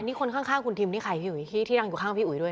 อันนี้คนข้างข้างของคุณทีมนี่ใครพี่อุ๋ยที่ตั้งอยู่ข้างพี่อุ๋ยด้วย